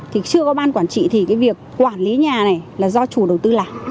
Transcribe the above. thì chưa có ban quản trị thì cái việc quản lý nhà này là do chủ đầu tư làm